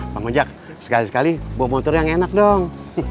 bang ojak sekali sekali bawa motor yang enak dong